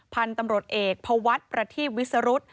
พันธุ์ตำรวจเอกพวัฒน์ประทีพวิสรุธ